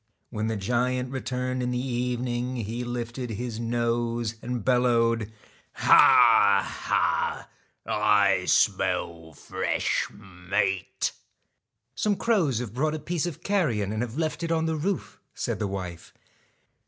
When the giant AI j.X? E returned in the evening , he lifted his nose and STALK bellowed :' Ha, Ha ! I smell fresh meat.' I Some crows have brought a piece of carrion and have left it on the roof,' said the wife.